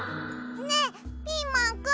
ねえピーマンくんわたし